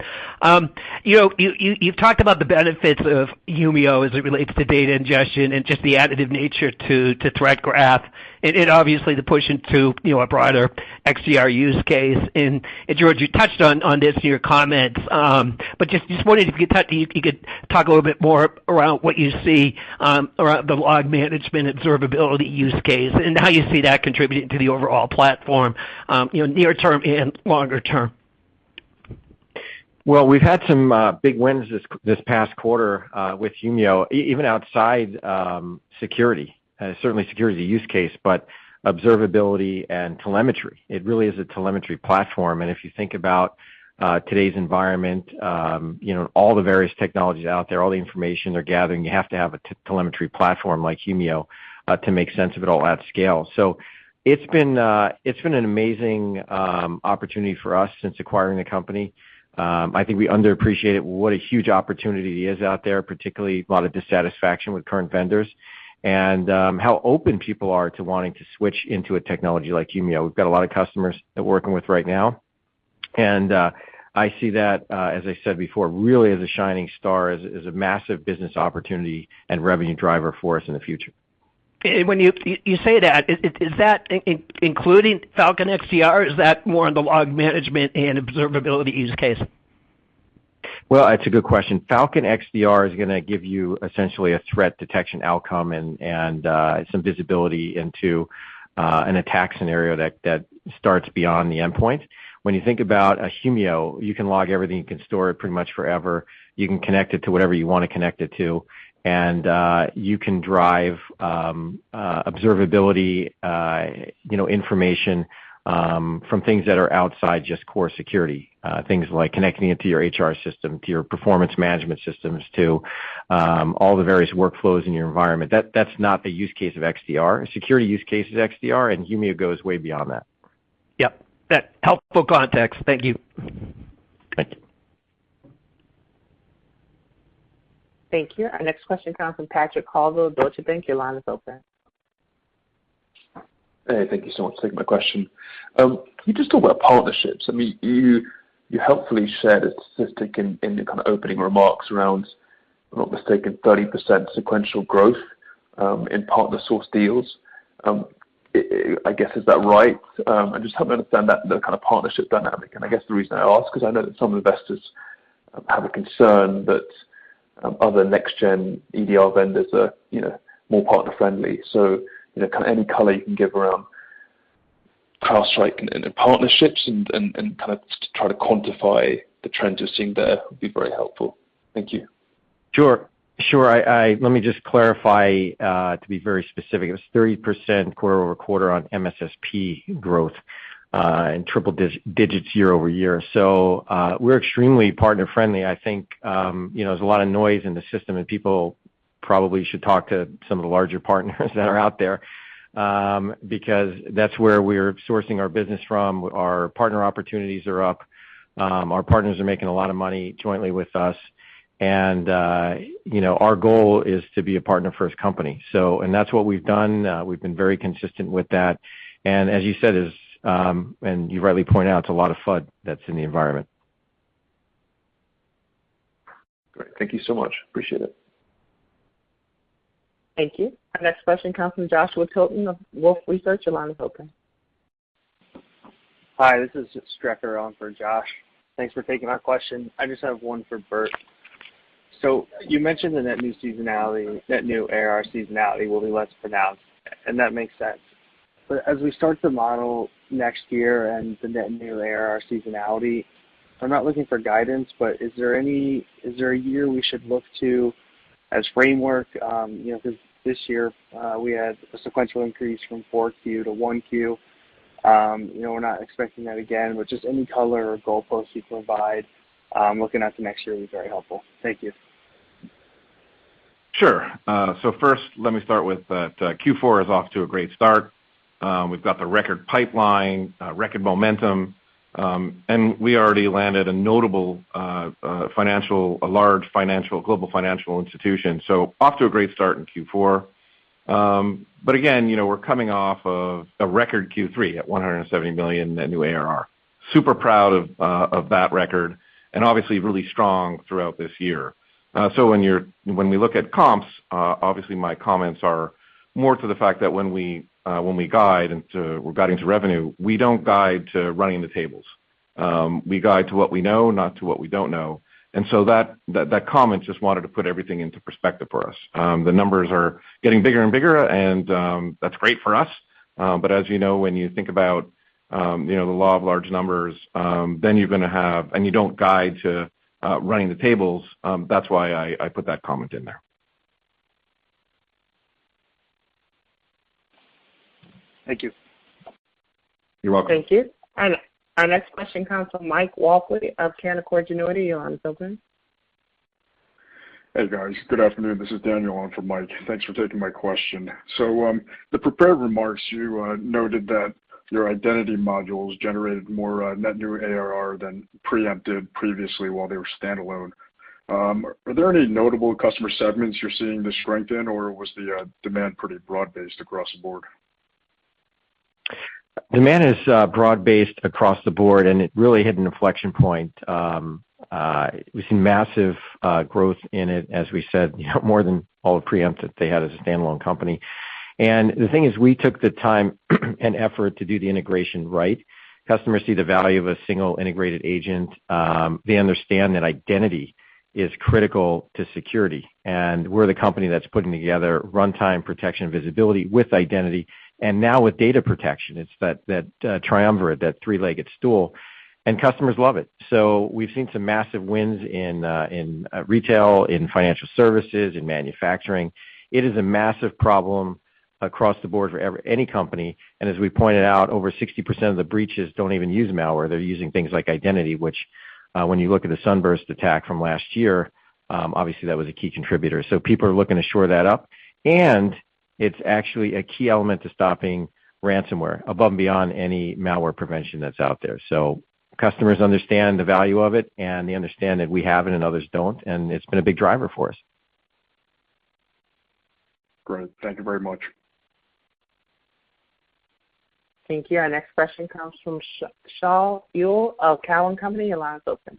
You know, you've talked about the benefits of Humio as it relates to data ingestion and just the additive nature to Threat Graph and obviously the push into a broader XDR use case. George, you touched on this in your comments, but just wondering if you could talk a little bit more around what you see around the log management observability use case and how you see that contributing to the overall platform near term and longer term. Well, we've had some big wins this past quarter with Humio even outside security. Certainly security use case, but observability and telemetry. It really is a telemetry platform. If you think about today's environment all the various technologies out there, all the information they're gathering, you have to have a telemetry platform like Humio to make sense of it all at scale. It's been an amazing opportunity for us since acquiring the company. I think we underappreciate what a huge opportunity it is out there, particularly a lot of dissatisfaction with current vendors and how open people are to wanting to switch into a technology like Humio. We've got a lot of customers that we're working with right now. I see that, as I said before, really as a shining star, as a massive business opportunity and revenue driver for us in the future. When you say that, is that including Falcon XDR or is that more on the log management and observability use case? Well, that's a good question. Falcon XDR is gonna give you essentially a threat detection outcome and some visibility into an attack scenario that starts beyond the endpoint. When you think about a Humio, you can log everything, you can store it pretty much forever, you can connect it to whatever you wanna connect it to, and you can drive observability you know information from things that are outside just core security things like connecting it to your HR system, to your performance management systems, to all the various workflows in your environment. That's not the use case of XDR. Security use case is XDR, and Humio goes way beyond that. Yep. That's helpful context. Thank you. Thank you. Thank you. Our next question comes from Patrick Colville, Deutsche Bank. Your line is open. Hey, thank you so much for taking my question. Can you just talk about partnerships? I mean, you helpfully shared a statistic in the kind of opening remarks around, if I'm not mistaken, 30% sequential growth in partner source deals. I guess, is that right? I'm just trying to understand that, the kind of partnership dynamic. I guess the reason I ask is I know that some investors have a concern that other next gen EDR vendors are more partner friendly. You know, kind of any color you can give around CrowdStrike and partnerships and kind of try to quantify the trends you're seeing there would be very helpful. Thank you. Sure. Let me just clarify to be very specific, it was 30% quarter-over-quarter on MSSP growth, and triple-digit year-over-year. We're extremely partner-friendly. I think you know, there's a lot of noise in the system, and people probably should talk to some of the larger partners that are out there, because that's where we're sourcing our business from. Our partner opportunities are up. Our partners are making a lot of money jointly with us. You know, our goal is to be a partner-first company. That's what we've done. We've been very consistent with that. As you said, as you rightly point out, it's a lot of FUD that's in the environment. Great. Thank you so much. Appreciate it. Thank you. Our next question comes from Joshua Tilton of Wolfe Research. Your line is open. Hi, this is Strecker on for Josh. Thanks for taking my question. I just have one for Burt. You mentioned the net new seasonality, net new ARR seasonality will be less pronounced, and that makes sense. As we start to model next year and the net new ARR seasonality, I'm not looking for guidance, but is there any year we should look to as a framework? You know, 'cause this year, we had a sequential increase from Q4 to Q1. You know, we're not expecting that again, but just any color or goalposts you can provide, looking at the next year would be very helpful. Thank you. Sure. First let me start with that, Q4 is off to a great start. We've got the record pipeline, record momentum, and we already landed a notable large global financial institution, so off to a great start in Q4. again we're coming off of a record Q3 at $170 million net new ARR. Super proud of that record and obviously really strong throughout this year. When we look at comps, obviously my comments are more to the fact that when we guide, we're guiding to revenue, we don't guide to running the tables. We guide to what we know, not to what we don't know. That comment just wanted to put everything into perspective for us. The numbers are getting bigger and bigger, and that's great for us. As you know, when you think about you know, the law of large numbers, then you're gonna have. You don't guide to running the tables, that's why I put that comment in there. Thank you. You're welcome. Thank you. Our next question comes from Mike Walkley of Canaccord Genuity. Your line is open. Hey, guys. Good afternoon. This is Daniel on for Mike. Thanks for taking my question. The prepared remarks, you noted that your identity modules generated more net new ARR than Preempt did previously while they were standalone. Are there any notable customer segments you're seeing the strength in, or was the demand pretty broad-based across the board? The demand is broad-based across the board, and it really hit an inflection point. We've seen massive growth in it, as we said more than all of Preempt that they had as a standalone company. The thing is, we took the time and effort to do the integration right. Customers see the value of a single integrated agent. They understand that identity is critical to security, and we're the company that's putting together runtime protection visibility with identity, and now with data protection. It's that triumvirate, that three-legged stool, and customers love it. We've seen some massive wins in retail, in financial services, in manufacturing. It is a massive problem across the board for any company. As we pointed out, over 60% of the breaches don't even use malware. They're using things like identity, which, when you look at the Sunburst attack from last year, obviously that was a key contributor. People are looking to shore that up. It's actually a key element to stopping ransomware above and beyond any malware prevention that's out there. Customers understand the value of it, and they understand that we have it and others don't, and it's been a big driver for us. Great. Thank you very much. Thank you. Our next question comes from Shaul Eyal of TD Cowen. Your line is open.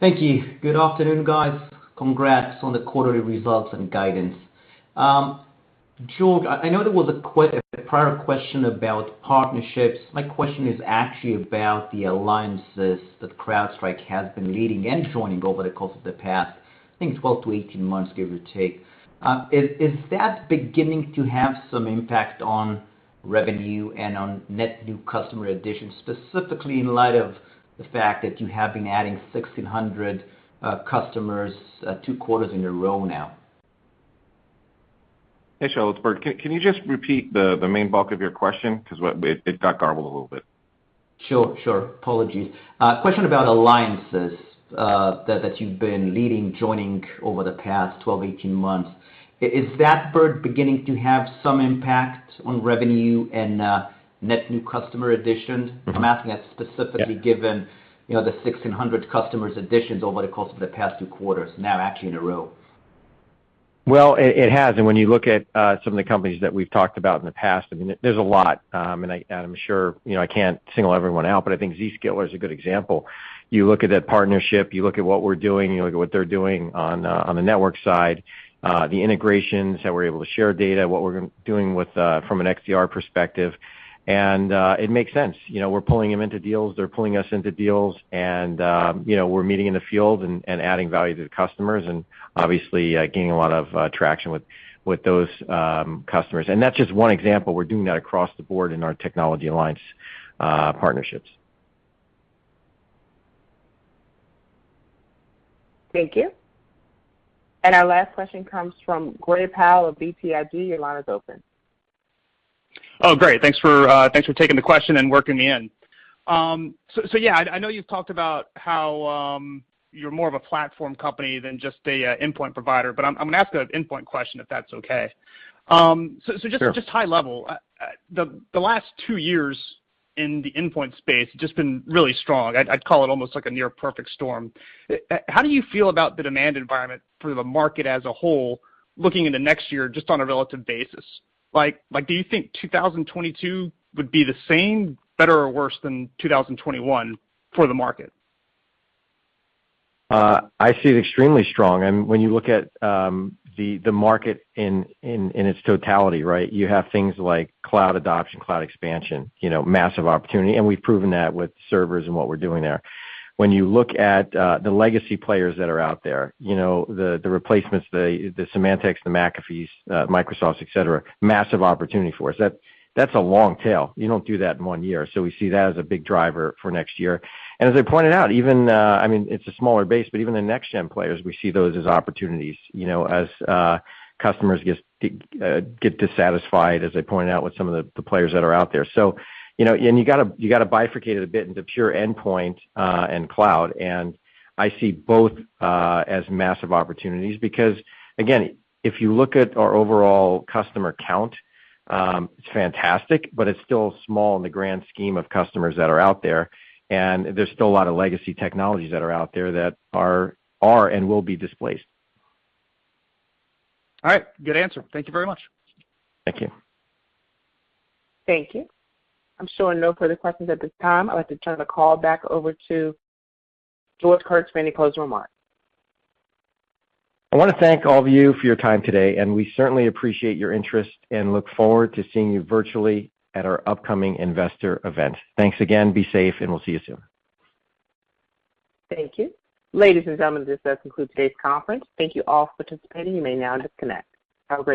Thank you. Good afternoon, guys. Congrats on the quarterly results and guidance. George, I know there was a prior question about partnerships. My question is actually about the alliances that CrowdStrike has been leading and joining over the course of the past, I think 12-18 months, give or take. Is that beginning to have some impact on revenue and on net new customer additions, specifically in light of the fact that you have been adding 1,600 customers two quarters in a row now? Hey, Shaul. It's Burt. Can you just repeat the main bulk of your question because it got garbled a little bit. Sure, sure. Apologies. Question about alliances that you've been leading, joining over the past 12-18 months. Is that, Burt, beginning to have some impact on revenue and net new customer additions? Mm-hmm. I'm asking that specifically. Yeah. given the 1,600 customer additions over the course of the past two quarters now actually in a row. Well, it has. When you look at some of the companies that we've talked about in the past, I mean, there's a lot, and I'm sure I can't single everyone out, but I think Zscaler is a good example. You look at that partnership, you look at what we're doing, you look at what they're doing on the network side, the integrations, how we're able to share data, what we're doing from an XDR perspective, and it makes sense. You know, we're pulling them into deals, they're pulling us into deals, and you know, we're meeting in the field and adding value to the customers and obviously gaining a lot of traction with those customers. That's just one example. We're doing that across the board in our technology alliance, partnerships. Thank you. Our last question comes from Gray Powell of BTIG. Your line is open. Oh, great. Thanks for taking the question and working me in. Yeah, I know you've talked about how you're more of a platform company than just a endpoint provider, but I'm gonna ask an endpoint question if that's okay. Just- Sure. Just high level. The last two years in the endpoint space has just been really strong. I'd call it almost like a near perfect storm. How do you feel about the demand environment for the market as a whole looking into next year just on a relative basis? Like, do you think 2022 would be the same, better or worse than 2021 for the market? I see it extremely strong. When you look at the market in its totality, right? You have things like cloud adoption, cloud expansion massive opportunity, and we've proven that with servers and what we're doing there. When you look at the legacy players that are out there the replacements, the Symantecs, the McAfees, Microsofts, et cetera, massive opportunity for us. That's a long tail. You don't do that in one year. We see that as a big driver for next year. As I pointed out, even, I mean, it's a smaller base, but even the next gen players, we see those as opportunities as customers get dissatisfied, as I pointed out, with some of the players that are out there. You know, you gotta bifurcate it a bit into pure endpoint and cloud, and I see both as massive opportunities because again, if you look at our overall customer count, it's fantastic, but it's still small in the grand scheme of customers that are out there, and there's still a lot of legacy technologies that are out there that are and will be displaced. All right. Good answer. Thank you very much. Thank you. Thank you. I'm showing no further questions at this time. I'd like to turn the call back over to George Kurtz for any closing remarks. I wanna thank all of you for your time today, and we certainly appreciate your interest and look forward to seeing you virtually at our upcoming investor event. Thanks again. Be safe, and we'll see you soon. Thank you. Ladies and gentlemen, this does conclude today's conference. Thank you all for participating. You may now disconnect. Have a great day.